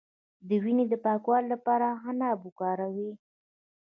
د وینې د پاکوالي لپاره عناب وکاروئ